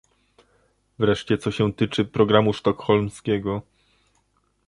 Wreszcie co się tyczy programu sztokholmskiego